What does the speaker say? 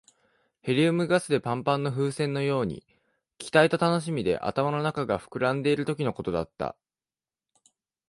ヘリウムガスでパンパンの風船のように、期待と楽しみで頭の中が膨らんでいるときのことだった。